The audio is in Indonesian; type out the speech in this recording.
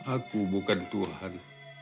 aku bukan tuhan